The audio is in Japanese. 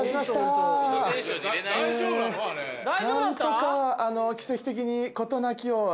え何とか奇跡的に事なきを得まして。